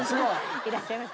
いらっしゃいました。